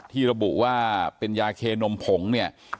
ระบุว่าเป็นยาเคนมผงเนี่ย